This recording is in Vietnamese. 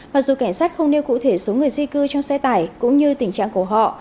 mặc dù cảnh sát không nêu cụ thể số người di cư trong xe tải cũng như tình trạng của họ